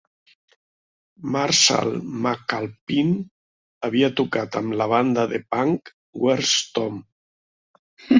Marshall McAlpine havia tocat amb la banda de punk Where's Tom?